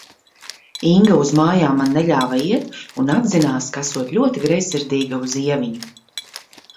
Inga uz mājām man neļāva iet un atzinās, ka esot ļoti greizsirdīga uz Ieviņu.